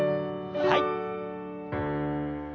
はい。